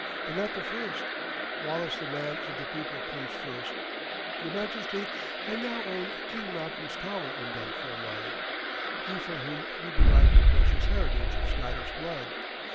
And not the first; Wallace the man of the people comes first. Your Majesty, I now own King Malcolm's tower in Dunfermline he from whom you derive your precious heritage of Scottish blood.